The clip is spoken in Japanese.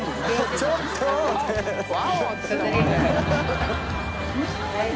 ちょっと